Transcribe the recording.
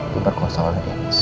tidak berkosa oleh dennis